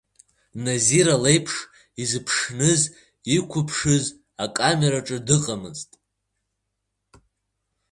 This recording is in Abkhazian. Назира леиԥш изыԥшныз, иқәыԥшыз акамераҿы дыҟамызт.